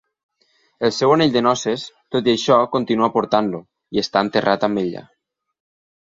El seu anell de noces, tot i això continua portant-lo, i està enterrat amb ella.